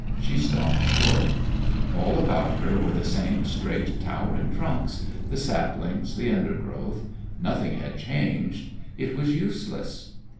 She stopped short. All about her were the same straight towering trunks, the saplings, the undergrowth. Nothing had changed. It was useless.